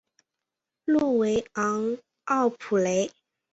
诺维昂奥普雷。